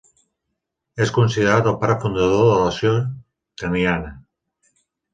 És considerat el pare fundador de la nació kenyana.